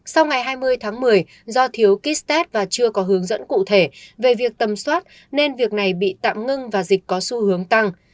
sau ngày hai mươi tháng một mươi do thiếu kit test và chưa có hướng dẫn cụ thể về việc tầm soát nên việc này bị tạm ngưng và dịch có xu hướng tăng